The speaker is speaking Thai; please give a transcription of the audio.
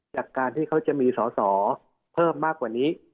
จากการที่เขาจะมีสอสอเพิ่มมากกว่านี้